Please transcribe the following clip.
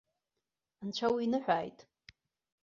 Анцәа уиныҳәааит!